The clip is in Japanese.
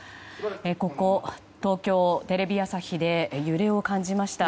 ここ、東京・テレビ朝日で揺れを感じました。